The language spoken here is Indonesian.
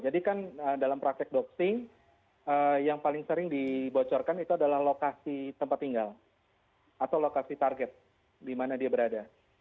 jadi kan dalam praktek doxing yang paling sering dibocorkan itu adalah lokasi tempat tinggal atau lokasi target di mana dia berada